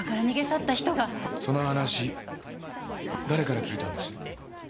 その話誰から聞いたんです？